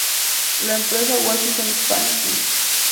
La empresa Washington Hispanic Inc.